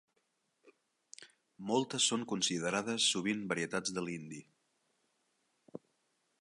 Moltes són considerades sovint varietats de l'hindi.